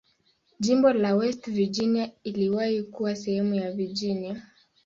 Jimbo la West Virginia iliwahi kuwa sehemu ya Virginia.